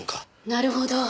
なるほど。